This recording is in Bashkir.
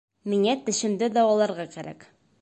Миңә тешемде дауаларға кәрәк